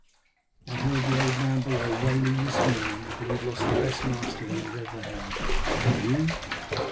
"I heard the old man below wailing this morning, because he had lost the best master he had ever had." "And you?"